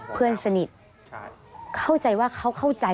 เพื่อที่จะได้หายป่วยทันวันที่เขาชีจันทร์จังหวัดชนบุรี